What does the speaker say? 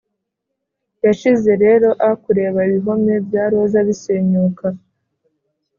yashize rero a-kureba ibihome bya roza bisenyuka,